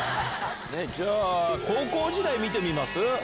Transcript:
じゃあ、高校時代見てみます？